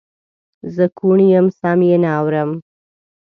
زه کوڼ یم سم یې نه اورم